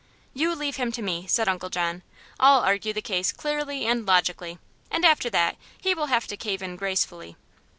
"You leave him to me," said Uncle John. "I'll argue the case clearly and logically, and after that he will have to cave in gracefully."